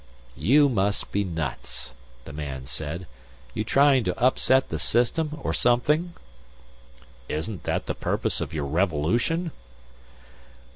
"You must be nuts," the man said. "You trying to upset the system or something?" "Isn't that the purpose of your revolution?"